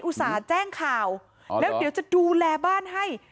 อุตส่าห์แจ้งข่าวอ๋อเหรอแล้วเดี๋ยวจะดูแลบ้านให้